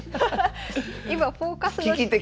今「フォーカス」の。